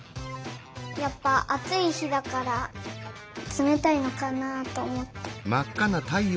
やっぱあついひだからつめたいのかなとおもって。